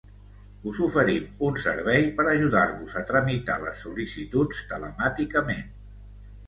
Us oferim un servei per ajudar-vos a tramitar les sol·licituds telemàticament.